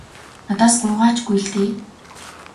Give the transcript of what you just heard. Надаас гуйгаа ч үгүй л дээ.